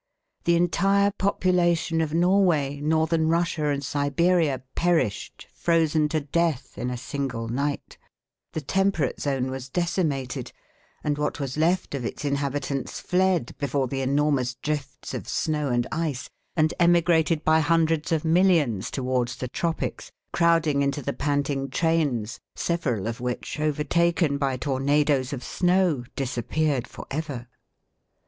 The entire population of Norway, Northern Russia, and Siberia perished, frozen to death in a single night; the temperate zone was decimated, and what was left of its inhabitants fled before the enormous drifts of snow and ice, and emigrated by hundreds of millions towards the tropics, crowding into the panting trains, several of which, overtaken by tornadoes of snow, disappeared for ever.